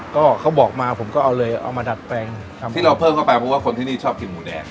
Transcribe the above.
ก็เขาบอกมาผมก็เอาเลยเอามาดัดแปลงที่เราเพิ่มเข้าไปเพราะว่าคนที่นี่ชอบกินหมูแดง